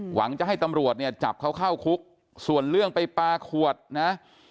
หวังจะให้ตำรวจเนี่ยจับเขาเข้าคุกส่วนเรื่องไปปลาขวดนะ